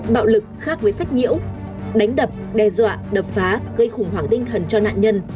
bạo lực khác với sách nhiễu đánh đập đe dọa đập phá gây khủng hoảng tinh thần cho nạn nhân